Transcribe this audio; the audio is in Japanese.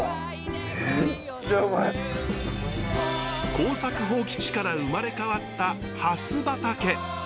耕作放棄地から生まれ変わったハス畑。